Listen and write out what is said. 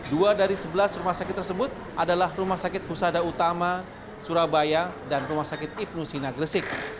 dua dari sebelas rumah sakit tersebut adalah rumah sakit husada utama surabaya dan rumah sakit ibnu sina gresik